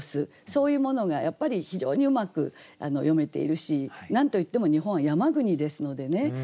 そういうものがやっぱり非常にうまく詠めているし何と言っても日本は山国ですのでね